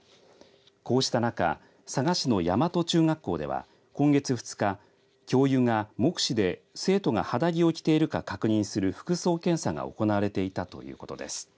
こうした中佐賀市の大和中学校では今月２日教諭が目視で生徒が肌着を着ているか確認する服装検査が行われていたということです。